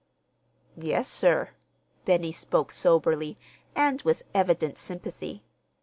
"Yes, sir." Benny spoke soberly, and with evident sympathy.